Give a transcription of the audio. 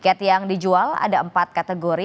kita akan menunjukkannya esok